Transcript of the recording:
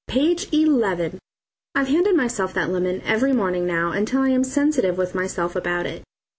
Page eleven! I've handed myself that lemon every morning now until I am sensitive with myself about it.